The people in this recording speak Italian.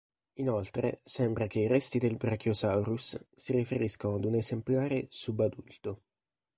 Inoltre sembra che i resti del "Brachiosaurus" si riferiscano ad un esemplare sub-adulto.